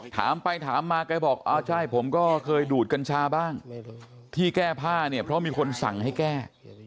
ถามไปถามมาแกบอกอ่าใช่ผมก็เคยดูดกัญชาบ้างที่แก้ผ้าเนี่ยเพราะมีคนสั่งให้แก้